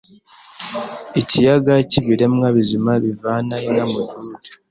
ikiyaga cyIbiremwa bizima bivana inka murwuri